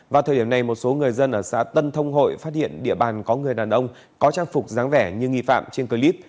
vào thời điểm này một số người dân ở xã tân thông hội phát hiện địa bàn có người đàn ông có trang phục dáng vẻ như nghi phạm trên clip